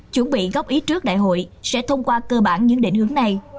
chuẩn bị góp ý trước đại hội sẽ thông qua cơ bản những định hướng này